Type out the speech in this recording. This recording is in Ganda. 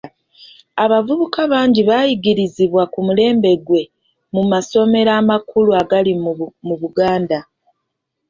Abavubuka bangi baayigirizibwa ku mulembe gwe mu masomero amakulu agali mu Buganda.